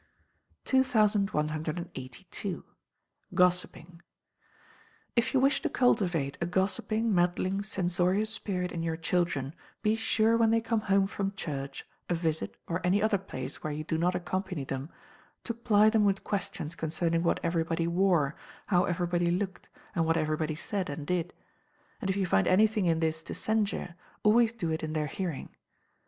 2182. Gossiping. If you wish to cultivate a gossiping, meddling, censorious spirit in your children, be sure when they come home from church, a visit, or any other place where you do not accompany them, to ply them with questions concerning what everybody wore, how everybody looked, and what everybody said and did; and if you find anything in this to censure, always do it in their hearing.